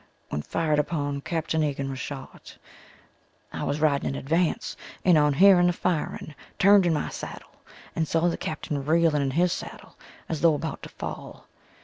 When fired upon Capt. Egan was shot. I was riding in advance and on hearing the firing turned in my saddle and saw the Captain reeling in his saddle as though about to fall.